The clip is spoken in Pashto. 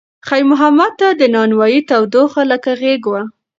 خیر محمد ته د نانوایۍ تودوخه لکه غېږ وه.